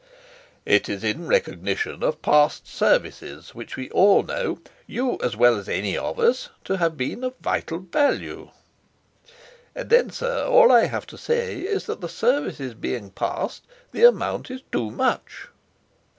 "It is in recognition of past services, which we all know—you as well as any of us—to have been of vital value." "Then, sir, all I have to say is that the services being past, the amount is too much."